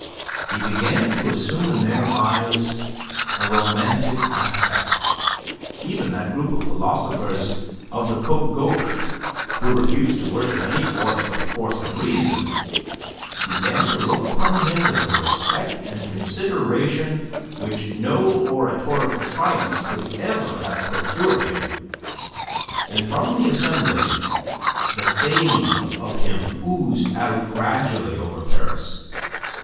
He began to assume in their eyes a romantic aspect. Even that group of philosophers of the Cote Gauche, who refused to worship any force but the force of reason, began to look upon him with a respect and consideration which no oratorical triumphs could ever have procured him. And from the Assembly the fame of him oozed out gradually over Paris.